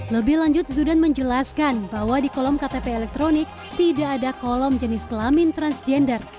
lebih lanjut zudan menjelaskan bahwa di kolom ktp elektronik tidak ada kolom jenis kelamin transgender